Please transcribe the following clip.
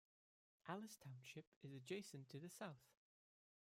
Allis Township is adjacent to the south.